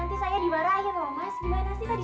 nanti saya dibarahin mas gimana sih tadi